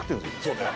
そうね